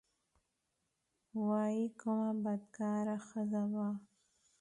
وايي کومه بدکاره ښځه وه.